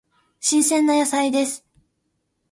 新鮮な野菜です。